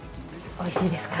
おいしいですか？